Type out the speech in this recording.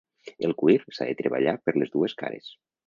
El cuir s'ha de treballar per les dues cares.